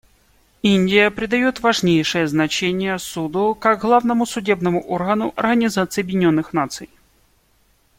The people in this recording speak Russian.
Индия придает важнейшее значение Суду как главному судебному органу Организации Объединенных Наций.